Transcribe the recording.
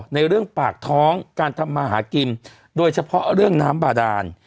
ในเรื่องปากท้องการทำมาหากินโดยเฉพาะเรื่องน้ำบาดาน